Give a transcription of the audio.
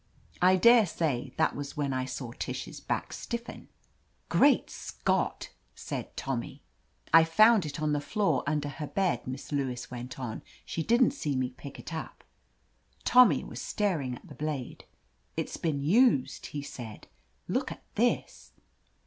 I daresay that was when I saw Tish's bacK stiffen. "Great Scott !" said Tommy. 104 OF LETITIA CARBERRY "I found it on the floor under her bed," Miss Lewis went on. "She didn't see me pick it up. Tommy was staring at the blade. "It's been used," he said. "Look at this!"